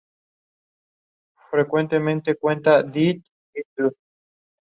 Babban Gona is part owned by the farmers it serves.